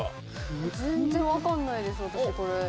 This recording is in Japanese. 全然分かんないです、私。